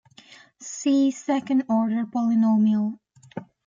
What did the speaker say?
See second order polynomial.